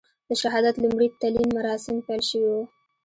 د شهادت لومړي تلین مراسیم پیل شوي و.